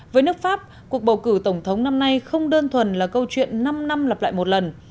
với nước pháp cuộc bầu cử tổng thống năm nay không đơn thuần là câu chuyện năm năm lặp lại một lần